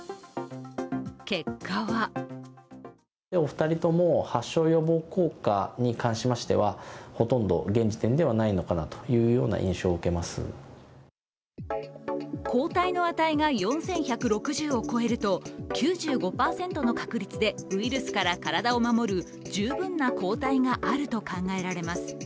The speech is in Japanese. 結果は抗体の値が４１６０を超えると９５％の確率でウイルスから体を守る十分な抗体があると考えられます。